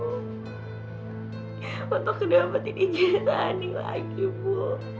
untuk kena ijazah aning lagi bu